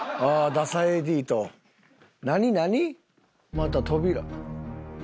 また扉。